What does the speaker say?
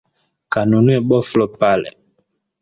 kanunue boflo pale